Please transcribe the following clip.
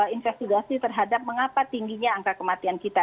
investigasi terhadap mengapa tingginya angka kematian kita